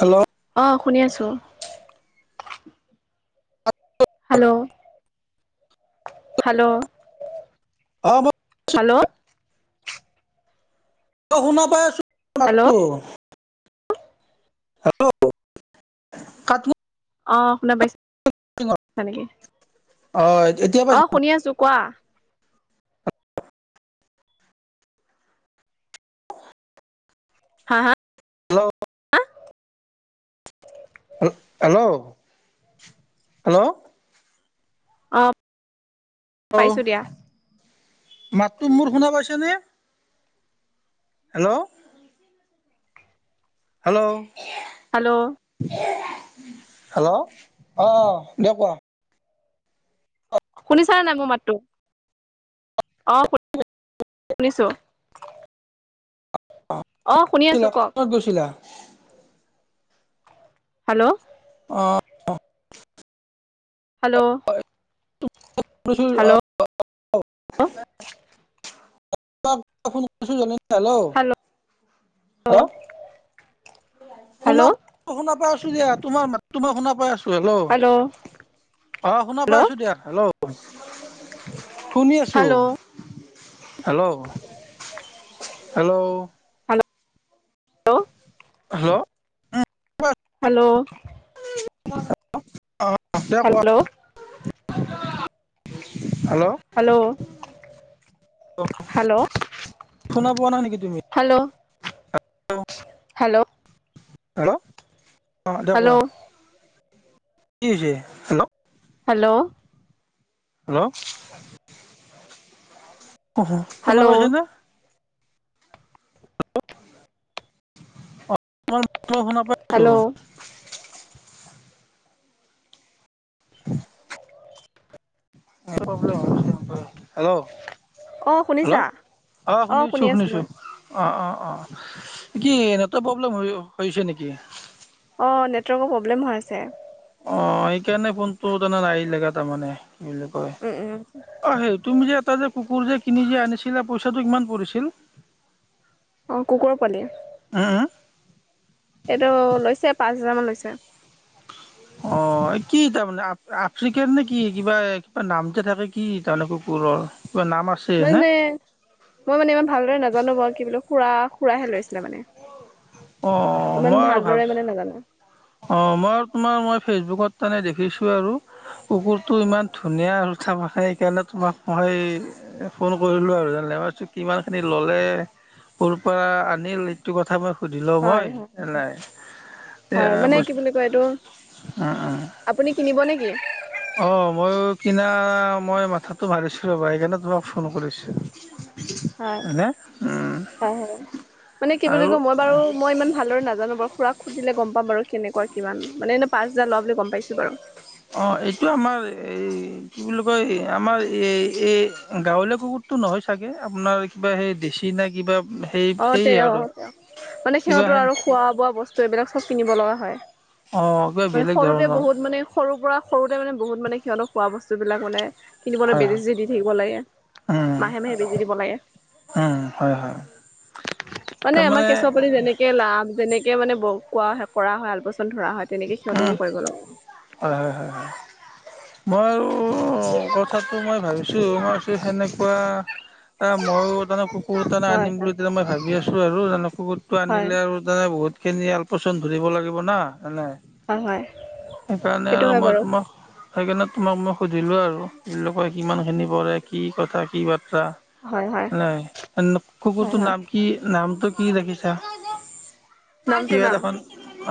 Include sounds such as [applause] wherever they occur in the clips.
Hello! অ শুনি আছো। হেল্ল'! হেল্ল'! অ [inaudible] হেল্ল'! শুনা পাই আছো। হেল্ল' মা-টো। হেল্ল'। [unintelligible] অ শুনা পাইছ- নেকি? অ এতিয়া অ পাইছো শুনি আছো কোৱা? হা? হা? হেল্ল'। Hello hello. হেল্ল'। অঁ। হেল্ল'। মাতটো মোৰ শুনা পাইছেনে? হেল্ল'। হেল্ল'। হেল্ল'! হেল্ল' অ দিয়ক কোৱা? শুনিছে নাই মোৰ মাতটো? অ শুনিছো। অ শুনি আছো কওক কত গৈছিলা হেল্ল' অঁ হেল্ল' চ অ হেল্ল ফোন কৰি হেল্ল' হেল্ল' শুনা হেল্ল' শুনা পাই আছো দিয়া তোমাৰ তোমাৰ শুনা পাই আছো হেল্ল' অ শুনা পাইছো দিয়া হেল্ল' শুনি হেল্ল' আছো hello hello hello hello hello hello অ স কোৱা হেল্ল' হেল্ল' হেল্ল' হেল্ল' শুনা পোৱা নাই নেকি তুমি হেল্ল' হেল্ল' হেল্ল' অঁ দে কোৱা হেল্ল' কি হৈছে হেল্ল' হেল্ল' হেল্ল' অ হেল্ল' শুনা হেল্ল' পাইছেনে শু হেল্ল' উ হেল্ল' অ শুনিছা হেল্ল' অ শুনিছো শুনি আছো মই শুনিছো অ অ অ কি নেটৱৰ্ প্ৰব্লেম হৈছে নেকি অঁ নেটৱৰ্কৰ প্ৰব্লেম হৈ আছে অ সেইকাৰণে ফোনটো তান নাহ লগে তাৰমানে কি বুলি কয় উম, উম। অ সেই তুমি যে এটা যে কুকুৰ যে কিনি যে আনিছিলা পইচাটো কিমান পৰিছিল [inaudible] অঁ কুকুৰৰ পোৱালি অ এইটো লৈছে পাঁচ হেজাৰমানান লৈছে অ কি তাৰমানে আফ্ৰিকাৰ নে কি কিবা কিবা নাম যে থাকে কি তাৰমানে কুকুৰৰ নাম আছে নে মানে মই মানে ইমান ভালদৰে নাজানো বাৰু কি বো খুৰা খুৰাহে লৰিছিলে মানে অ' ইমান মই আৰু ভালদৰে ভাবিছোঁ মানে নাজানো অ মই তোমাৰ মই ফেচবুকত তানে দেখিছো আৰু কুকুৰটো ইমান ধুনীয়া আৰুঠা খায় সেইকাৰণে তোমাক মই ফোন কৰিলোঁ আৰু জানে ভাবিছোঁ কিমানখিনি ল'লে সৰুৰ পৰা আনিল এইটো কথা মই সুধি‌ ল‌ও হয়, মই হয়। এনাই হয় মানে কি বুলি কয় এইটো উম উম আপুনি কিনিব নেকি অ মই কিনা মই মাথাটো মাৰিছোঁ ৰ'বা সেইকাৰণে তোমাক ফোন কৰিছো হয় হয় হয় মানে কি বুলি আৰু ক মই বাৰু মই ইমান ভালদৰে নাজানো বাৰুৰাক সুধিলে গম পাম বাৰ কেনেকুৱা কিমান মানেনে পাঁচ হাজাৰ লোৱা বুলি গম পাইছো বাৰু অ ', এইটো আমাৰ এই কি বুলি কয় আমাৰ এই এই গাঁৱলীয়া কুকুৰতটো নহয় চাগে আপোনাৰ কিবা সেই দেছি না কিবা সেই অ', সেই আৰু অ', তে মানে কিবা সিহঁতৰ হেন আৰু খোৱা বোৱা বস্তু এইবিলাক চব কিনিব লগা হয় অ', কিবা মানে বেলেগ সৰুতে ধৰণৰ বহুত মানে সৰুৰ পৰা সৰুতে মানে বহুত মানে সিহঁতক খোৱা বস্তু বিলাক মানে কিনিবলৈ হয় হয় বেজি-চেজি দি থাকিব লাগে উম, মাহে মাহে বেজি দিব লাগে। উম, হয়, হয় মানে, আমাৰ তাৰমানে কেঁচুৱা পালি যেনেকে লাভ যেনেকে মানে ব কোৱা কৰা হয় আলপেচান ধৰা হয় তেনেকে উম, সিহতকোঁ কৰিব লাগে হয়, হয় মই কথাটো মই ভাবিছোঁ আমাৰ সেনেকুৱা এ মইয়ো তানে কুকুৰ তানে হয় আনিম বুলি হয় তেতিয়া মই ভাবি আছো আৰু তানে কুকুৰটো হয় আনিলে আৰু বহুতখিনি আলপেচান ধৰিব লাগিব ন এনে হয় হয় সেইকাৰণে সেইটো আৰু হয় মই বাৰু তোমাক সেইকাৰণে তোমাক মই সুধিলোঁ আৰু এই লোকে কিমানখিনি পৰে কি কথা কি বাৰ্তা হয় হয় নাই হয় কুকুৰটোৰ হয় নাম কি নামটো কি ৰাখিছা নামটো কিবা নাম দেখোন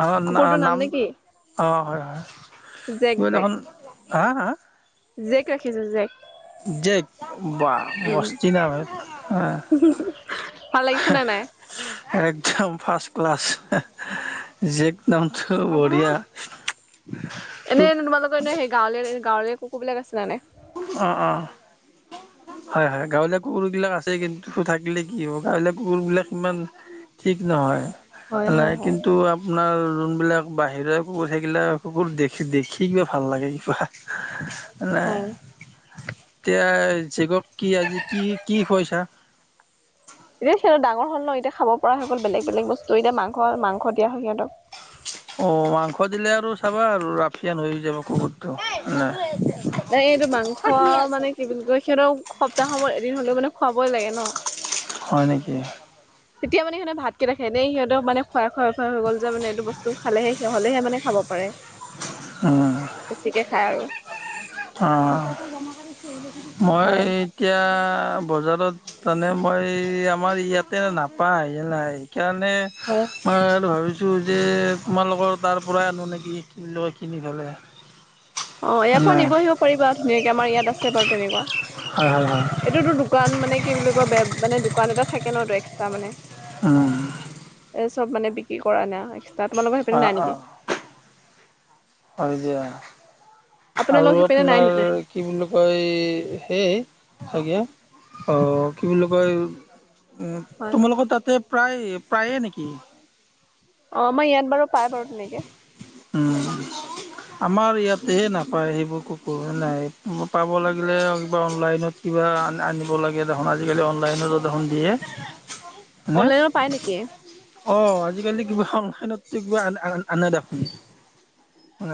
আহন কুকুৰটোৰ নে নাম কি অ', হয়, হয়, জেক তুমি জেক দেখোন হা হা জেক ৰাখিছো জেক জেক, বা উম মস্তি নাম হে ভাল লাগিছে নে নাই একদম ফাৰ্ষ্ট ক্লাছ জেক নামটো বঢ়িয়া। এনেই তোমালোকৰ এনেই সেই গাঁৱলীয়া গাঁৱলীয়া কুকুৰবিলাক আছে নে নাই অ ', অ হয়, হয়, গাঁৱলীয়া কুকুৰ বিলাক আছে কিন্তু থাকিলে কি হ'ব, গাঁৱলীয়া কুকুৰ বিলাক ইমান ঠিক নহয় হয় নাই, হয় হয় কিন্তু আপোনাৰ যোনবিলাক বাহিৰে কুকুৰ থাকিলাক কুকুৰ দেখি দেখি কিবা ভাল লাগে কিবা নাই হয় এতিয়া জেকক কি আজি কি খুৱাইছা। এতিয়া সিহত ডাঙৰ হ'ল ন এতিয়া খাব পৰা হৈ গ'ল বেলেগ বেলেগ বস্তু এতিয়া মাংস মাংস দিয়া হয় সিহতক অ', াংস দিলে আৰু চাবা আৰু ৰাফিয়ান হৈ যাব কুকুৰটো নে নাই এইটো মাংস মানে কি বুলি কয় সিহঁতৰ সপ্তাহ সময় এদিন হলেও মানে খুৱাবই লাগে ন হয়, নেকি? তেতিয়া মানে সিহঁতে ভাতকেইটা খাই এনে সিহঁতক মানে খুৱাই খুৱাই হৈ গল যে মানে এইটো বস্তু খালে সি হলেহে মানে খাব কৰে উম, অ', মই হয় এতিয়া বজাৰত তানে মই আমাৰ ইয়াতে নাপায় নাই সেইকাৰণে অ', মই ভাবিছোঁ যে তোমালোকৰ তাৰ পৰাই আনো নেকি? লৈ কিনি পেলাই অ', ইয়াৰ পৰা নাই নিবহি আহিব পাৰিব আৰু ধুনীয়াকে আমাৰ ইয়াত আছে বাৰু হয় হয় তেনেকুৱা হয় এইটোতো দোকান মানে কি বুলি কয় বেয়া মানে দোকান এটা থাকে নটো এক্সট্ৰা মানে উম, এ চব মানে, বিক্ৰী কৰা নাই। এক্সট্ৰা তোমালোকৰ সেইপিনে অ', নেকি অ', হয় দিয়া আৰু আপোনালোক সেইপিনে নাই আপোনাৰ নেকি কি বুলি কয়? উম, হয় তোমালোকৰ তাতে প্ৰায় প্ৰায়ে নেকি? অ, ' আমাৰ ইয়াত বাৰু পাই বাৰু। উম, আমাৰ ইয়াতেহে নাপায়। সেইবোৰ কুকুৰ নাই পাব লাগিলে কিবা অনলাইনত। কিবা আ, আনিব লাগে দেখোন আজিকালি অনলাইনতো দেখোন দিয়ে। শুনা, অনলাইনত পাই নেকি অ' আজিকালি কিবা অন'লাইনত [inaudible]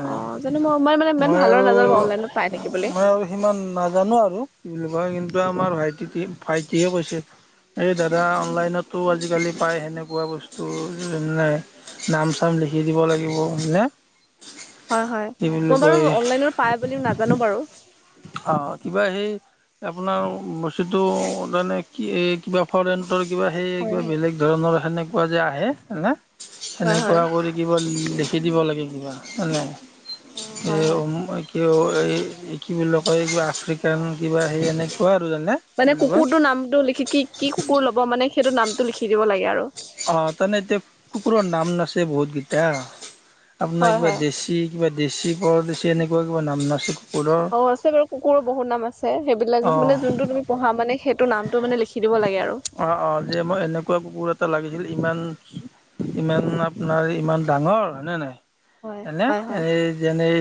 অ, জানো মই অনলাইনত ইমান ভালো নাজানো অনলাইনত পাই নেকি। মই আৰু সিমান নাজানো আৰু কি বুলি কয় কিন্তু আমাৰ ভাইটি, ভাইটিয়হে কৈছে। এই দাদা অনলাইনতো আজিকালি পায় সেনেকুৱা বস্তু যেনে নাম, চাম লিখি দিব লাগিব হয় না। হয়, হয়, মই বাৰু অনলাইনত পাই বুলি নাজানো বাৰু। অ, কিবা সেই আপোনাৰ বস্তোটো মানে কি এই কিবা ফৰেন ৰ, কিবা সেই হয় কিবা হয় বেলেগ ধৰণৰ সেনেকুৱা যে আহে হয় হয় সেনেকুৱা কৰি লিকিব, অ হয় হয় লিখি দিব। কি এই কি বুলিয় কয় এই কিবা আফ্ৰিকান কিবা সেই এনেকুৱা আৰু জানে। কি মানে বুলি কয় কুকুৰটোৰ নামটো লিখি কি, কি, কুকুৰ ল'ব মানে সেইটো অ, তাৰমানে এতিয়া কুকুৰৰ নাম নাচে বহুত। হয় কিবা হয় দেশী, পৰদেশী এনেকুৱা কিবা নাম নাচো। অ, আছে বাৰু কুকুৰো বহুত নাম আছে। সেইবিলাক মানে অ' যোনটো তুমি পঢ়া মানে সেইটো নামটো মানে লিখি দিব লাগে আৰু। অ', অ', যে মই এনেকুৱা কুকুৰত লাগিছিল ইমান ইমান আপোনাৰ ইমান ডাঙৰ হয়নে নাই। হয় হয়নে হয় হয় এ যেনেই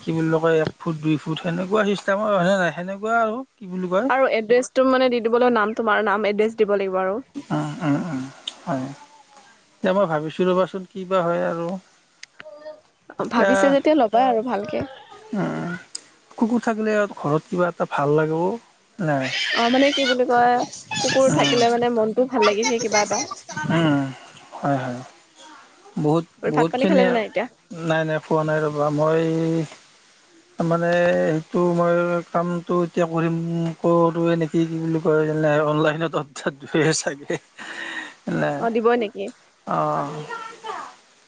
কি বুলি কয় এক ফুট, দুই ফুট সেনেকুৱা চিষ্টেম আৰু হয়নে নাই সেনেকুৱা আৰু। কি বুলি কয়? এড্ৰেছ তটো মানে দি দিবলৈ নাম তোমাৰ নাম এড্ৰেছ দিব লাগিব আৰু। উ, উম, উম, হয়। এতিয়া মই ভাত অ, ভাবিছে। উম, কুকুৰ থাকিলে ঘৰত কিবা এটা ভাল লাগে অ' অ, মানে কি বুলি কয় কুকুৰ উম থাকিলে মানে মনটো ভাল লাগি থাকে কি'বা এটা। উ, হয়, হয়, বহুত, ভাত পানী খালে বহুতখিনি নে নাই এতিয়া নাই, নাই পোৱা, নাই ৰ'বা মই ত' মানে সেইটো মই কামতটো এতিয়া কৰিম কৰো এনে। কি, কি, বুলি কয় অনলাইনত অ, দয় চাগে। এ, অ দিবই নেকি অ'।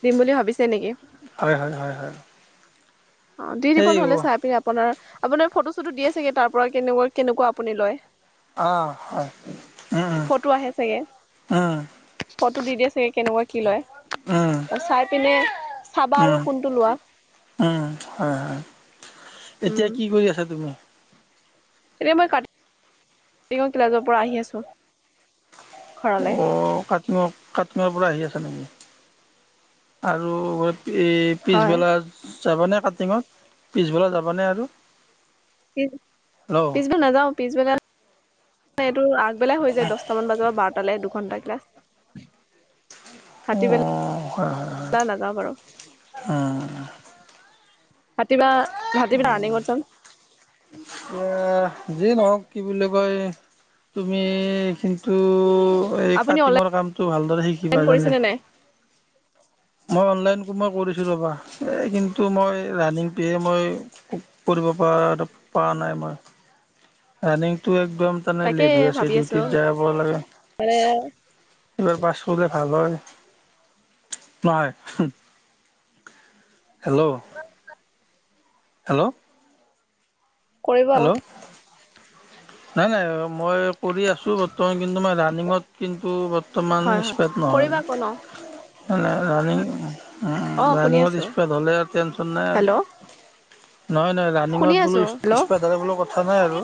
দিম বুলি ভাবিছে নেকি? হয়, হয়, হয়, হয়। অ, দি দিব সেই নহ'লে চাই আপনি। অ, হয়, উম, ফটো আহে চাগে উ, উম। ফটো দি দিয়ে চাগে কেনেকুৱা কি লয় উম চাই পিনে চাবা উম আৰু কোনটো লোৱা। উম, হয়, হয় এতিয়া উম কি কৰি আছা তুমি? এতিয়া মই কাটিঙ ক্লাছৰ পৰা আহি আছোঁ। অ, কাটিঙৰ, কাটিঙৰ পৰা আহি আছে নেকি আৰু। এই হয় পিছবেলা যাবা নে কাটিঙত পিছবেলা যাবা নে আৰু। পিছ, হেল্ল' অঁ পিছবেলা নাযাও পিছবেলা। এইটো আগবেলাই হৈ যায় দহটামান বজাৰ বা বাৰটালৈ দুঘন্টা ক্লাছ অ, ৰাতিবেলা হয়, হয়। নাযাওঁ বাৰু। উম। হাতী বা হাতী [unintelligible] এ, যিয়েই নহওক কি বুলি কয় তুমি কিন্তু এই আপুনি কাটিঙৰ অনলাইন কামটো ভালদৰে শিকিবা। কৰিছেনে নাই মই অনলাইন মই কৰিছোঁ ৰ'বা এই কিন্তু মই ৰানিং তোহে মই কৰিব পাৰা পাৰা নাই মই ৰানিঙটো একদম তানে তাকে লেট হৈ আছে ভাবি আছো ডিউটিত যাব লাগে এইবাৰ পাছ হ'লে ভাল হয় নহয় হেল্ল' হেল্ল' কৰিব হেল্ল' আক নাই নাই মই কৰি আছোঁ বৰ্তমান কিন্তু মই ৰানিঙত কিন্তু বৰ্তমান হয় হয় স্পেড নহয় কৰিবা আকৌ ন মনে অ ৰানিং শুনি আছো ৰানিঙত স্পিড হ'লে আৰু টেনচন নাই হেল্ল' আৰু নহয় নহয় শুনি ৰানিঙত বোলো আছো হেল্ল' স্পেড হ'লে বোলো কথা কথা নাই আৰু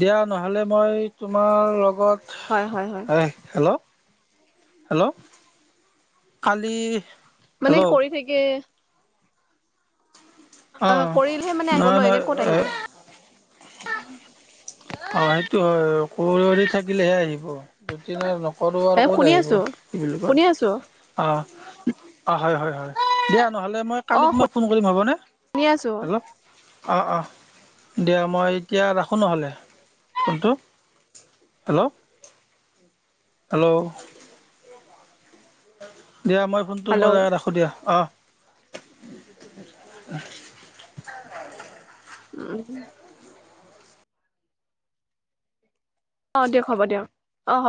দিয়া নহ'লে মই তোমাৰ লগত হয় হয় হয় হয় হেল্ল' হেল্ল' কালি মানে হেল্ল' কৰি থাকে। অ অঁ কৰিলেহে মানে আহিব নহয় ন এনে ক'ত নহয় আহিব অ সেইটো হয় কৰি থাকিলেহে আহিব নকৰো আৰু এ ক'ত শুনি আহিব আছো কি বুলি শুনি কয় আছো অঁ অঁ হয় হয় হয় দিয়া নহ'লে মই অ কালি তোমাক ফোন কৰিম হ'বনে শুনি আছো হেল্ল' অঁ অঁ দিয়া মই এতিয়া ৰাখোঁ নহ'লে ফোনটো হেল্ল' হেল্ল' দিয়া মই ফোনটো হেল্ল' মই ৰাখো দিয়া অ উম অঁ দিয়ক হ'ব দিয়ক অ হ'ব